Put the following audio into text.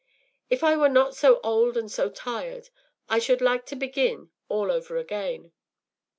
If I were not so old and so tired I should like to begin all over again.